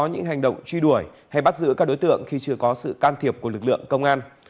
hãy bắt giữ các đối tượng khi chưa có sự can thiệp của lực lượng công an